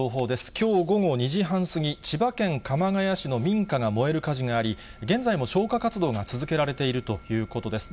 きょう午後２時半過ぎ、千葉県鎌ケ谷市の民家が燃える火事があり、現在も消火活動が続けられているということです。